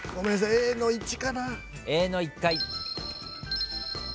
Ａの１かな。